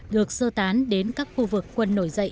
được sơ tán đến các khu vực quân nổi dậy